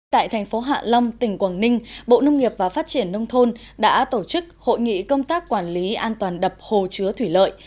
tại thành phố hạ long tỉnh quảng ninh bộ nông nghiệp và phát triển nông thôn đã tổ chức hội nghị công tác quản lý an toàn đập hồ chứa thủy lợi